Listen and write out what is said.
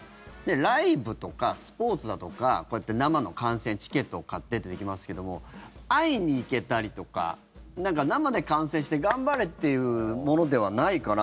ライブとかスポーツだとか生の観戦チケットを買ってってできますけども会いに行けたりとか生で観戦して、頑張れ！っていうものではないから。